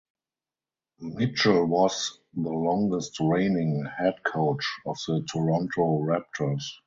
Mitchell was the longest reigning head coach of the Toronto Raptors.